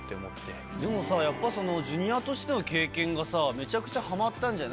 でもさやっぱそのＪｒ．としての経験がさめちゃくちゃハマったんじゃない？